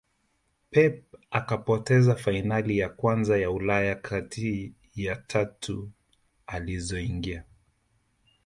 pep akapoteza fainali ya kwanza ya ulaya kati ya tatu alizoingia